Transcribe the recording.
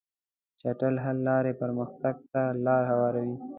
چټک حل لارې پرمختګ ته لار هواروي.